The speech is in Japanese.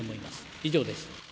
以上です。